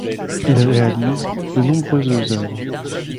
Il réalise de nombreuses œuvres.